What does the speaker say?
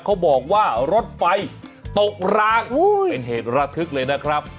เขาบอกว่ารถไฟตกรางเป็นเหตุระทึกเลยนะครับ